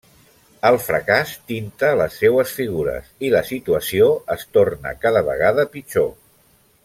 El fracàs tinta les seues figures i la situació es torna cada vegada pitjor.